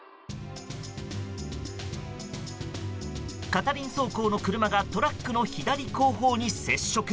片輪走行の車がトラックの左後方に接触。